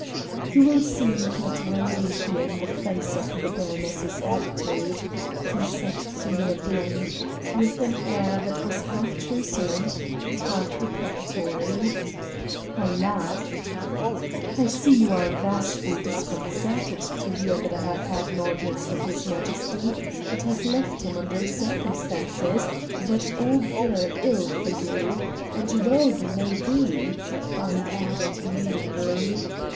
"You will see you cannot remain here in the face of the baroness's attitude," he said to me at length, with an air that was half truculent and half deprecatory. I laughed. "I see you are vastly disconcerted to hear that I have had an audience with his Majesty, and have left him under circumstances that augur ill for you; and well you may be," I added meaningly.